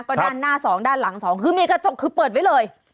ก็ด้านหน้าสองด้านหลังสองคือมีกระจกคือเปิดไว้เลย